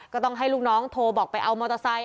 ก็ต้องให้ลูกน้องโทรบอกไปเอามอเตอร์ไซค